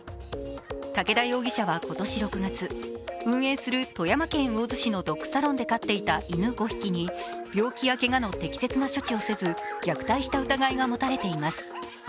武田容疑者は今年６月、運営する富山県魚津市のドッグサロンで飼っていた犬５匹に病気やけがの適切な処置をせず、虐待した疑いが持たれています。